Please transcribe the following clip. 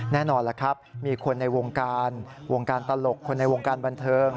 แน่นอนล่ะครับมีคนในวงการวงการตลกคนในวงการบันเทิง